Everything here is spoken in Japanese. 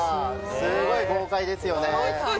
すごい豪快ですよね。